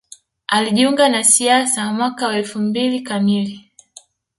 Alijiunga na siasa mwaka wa elfu mbili kamili